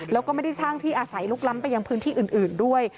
แล้วก็ไม่ได้สร้างที่อาศัยลุกล้ำไปยังพื้นที่อื่นด้วย